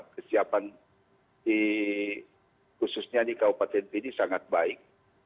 kesiapan khususnya di kabupaten pidi sangat baik